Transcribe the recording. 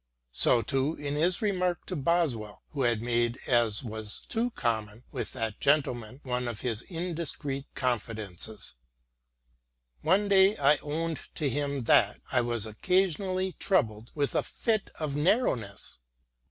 So, too, in his remark to Boswell, who had made, as was too common with that gentleman, one of his indiscreet confidences : One day I owned to him that " I was occasionally troubled with a fit of narrowness."